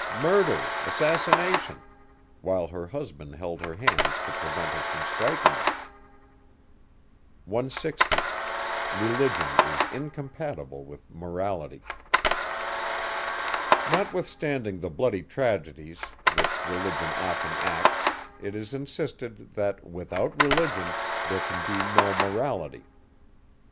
murder! assassination!_ while her husband held her hands to prevent her from striking him. 160. Notwithstanding the bloody tragedies, which Religion often acts, it is insisted, that, without Religion, there can be no Morality.